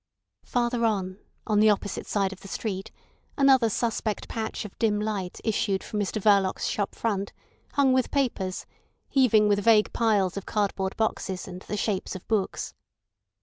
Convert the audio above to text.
Farther on, on the opposite side of the street, another suspect patch of dim light issued from Mr Verloc's shop front, hung with papers, heaving with vague piles of cardboard boxes and the shapes of books.